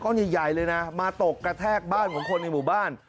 ใหญ่เลยนะมาตกกระแทกบ้านของคนในหมู่บ้าน